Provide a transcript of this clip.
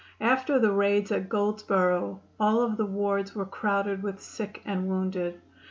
After the raids at Goldsboro all of the wards were crowded with sick and wounded.